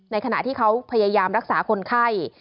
ขณะที่เขาพยายามรักษาคนไข้